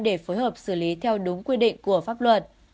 để phối hợp xử lý theo đúng quy định của pháp luật